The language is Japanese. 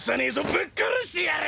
ぶっ殺してやる！